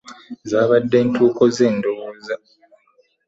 Zaabadde ntuuko ze ndowooza.